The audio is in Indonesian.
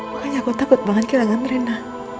makanya aku takut banget kehilangan rina